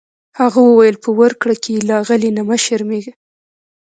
هغه وویل په ورکړه کې یې له اغلې نه مه شرمیږه.